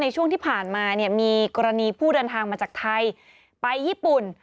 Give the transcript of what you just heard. ช่วงที่ผ่านมาเนี่ยมีกรณีผู้เดินทางมาจากไทยไปญี่ปุ่น